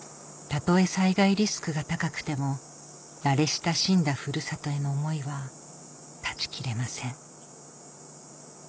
たとえ災害リスクが高くても慣れ親しんだふるさとへの思いは断ち切れません